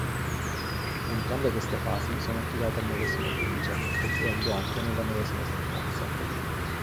Entrambe queste fasi sono affidate al medesimo giudice, confluendo anche nella medesima sentenza.